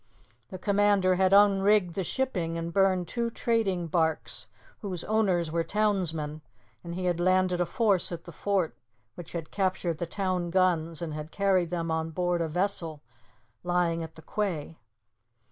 The commander had unrigged the shipping and burned two trading barques whose owners were townsmen, and he had landed a force at the fort, which had captured the town guns and had carried them on board a vessel lying at the quay.